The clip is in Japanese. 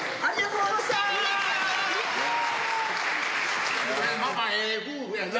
ありがとうね。